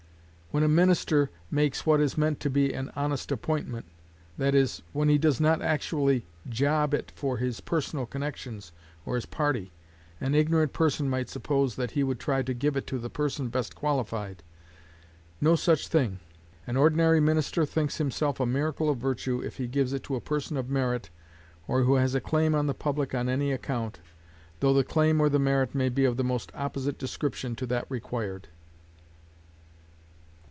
When a minister makes what is meant to be an honest appointment, that is, when he does not actually job it for his personal connections or his party, an ignorant person might suppose that he would try to give it to the person best qualified. No such thing. An ordinary minister thinks himself a miracle of virtue if he gives it to a person of merit, or who has a claim on the public on any account, though the claim or the merit may be of the most opposite description to that required.